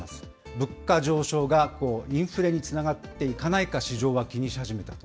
物価上昇がインフレにつながっていかないか、市場は気にし始めたと。